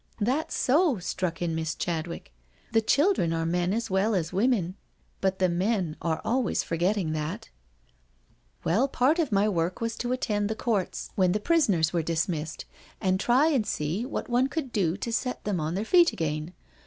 "That's so," struck in Miss Chadwick, "the chil dren are men as well as women, but the men are always forgetting that. •••"" Well> part of my work was to attend the courts U6 NO SURRENDE/i^ when the prisoners were dismissed, and try and see what one could do to set them on their feet again.